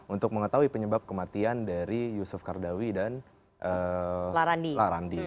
untuk mengetahui penyebab kematian dari yusuf kardawi dan larandi